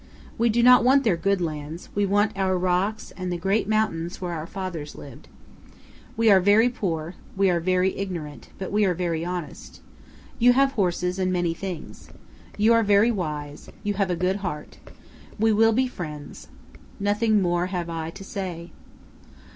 We do not want their good lands; we want our rocks and the great mountains where our fathers lived. We are very poor; we are very ignorant; but we are very honest. You have horses and many things. You are very wise; you have a good heart. We will be friends. Nothing more have I to say."